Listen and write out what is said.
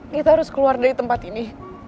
kita harus keluar dari tempat ini